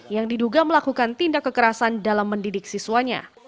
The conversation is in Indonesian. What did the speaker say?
yang diduga melakukan tindak kekerasan dalam mendidik siswanya